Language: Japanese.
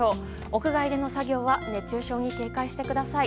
屋外での作業は熱中症に警戒してください。